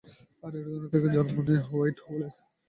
আর এই ধারণা থেকেই জন্ম নেয় হোয়াইট হোলের।